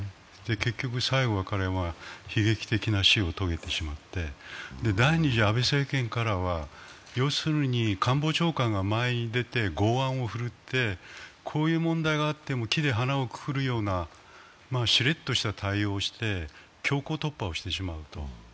結局、最後、彼は悲劇的な死を遂げてしまって第２次安倍政権からは、要するに官房長官が前に出て剛腕を振るってこういう問題が出ても木で花をくくるようなしれっとした対応をして強行突破を焦点しまった。